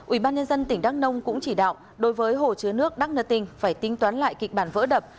ubnd tỉnh đắk nông cũng chỉ đạo đối với hồ chứa nước đắk nơ tinh phải tính toán lại kịch bản vỡ đập